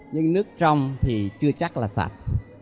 nhưng nước trong thì chưa chắc là sạch